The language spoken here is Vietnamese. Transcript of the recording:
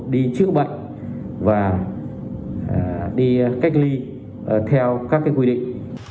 đi cách ly theo các quy định